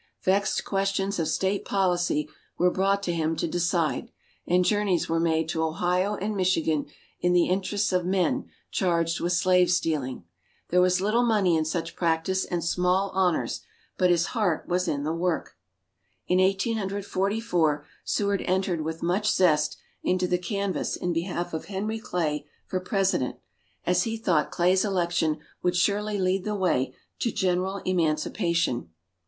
Vexed questions of State policy were brought to him to decide, and journeys were made to Ohio and Michigan in the interests of men charged with slave stealing. There was little money in such practise and small honors, but his heart was in the work. In Eighteen Hundred Forty four, Seward entered with much zest into the canvass in behalf of Henry Clay for President, as he thought Clay's election would surely lead the way to general emancipation.